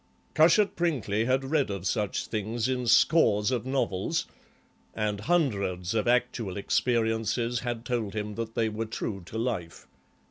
Cushat Prinkly had read of such things in scores of novels, and hundreds of actual experiences had told him that they were true to life.